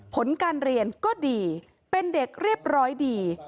ผลการเรียนก็ดีเป็นเด็กเรียบร้อยดี